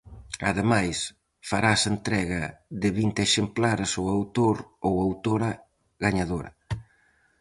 Ademais farase entrega de vinte exemplares ao autor ou autora gañadora.